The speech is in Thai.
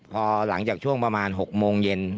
พอหลังจากช่วงประมาณ๖โมงเย็น